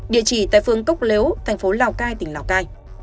địa chỉ tại phường cốc lếu tp lào cai tỉnh lào cai